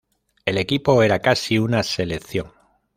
El equipo era casi una selección.